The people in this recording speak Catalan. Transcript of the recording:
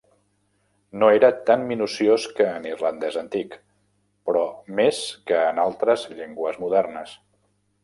No era tan minuciós que en l'irlandès antic, però més que en altres llengües modernes.